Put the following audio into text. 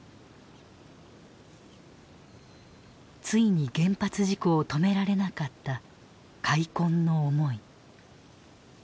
ついに原発事故を止められなかった「悔恨の思い」。